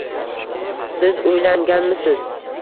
Siz uylanganmisiz